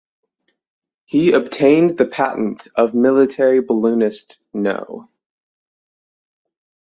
He obtained the patent of military balloonist no.